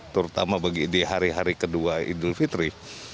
terutama di hari hari kedua idul fitri